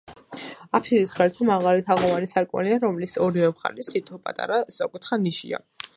აფსიდის ღერძზე მაღალი თაღოვანი სარკმელია, რომლის ორივე მხარეს თითო პატარა სწორკუთხა ნიშია.